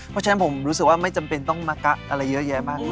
เพราะฉะนั้นผมรู้สึกว่าไม่จำเป็นต้องมากะอะไรเยอะแยะมาก